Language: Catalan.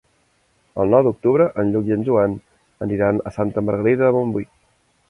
El nou d'octubre en Lluc i en Joan aniran a Santa Margarida de Montbui.